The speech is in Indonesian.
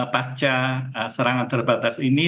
pasca serangan terbatas ini